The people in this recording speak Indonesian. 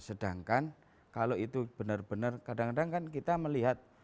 sedangkan kalau itu benar benar kadang kadang kan kita melihat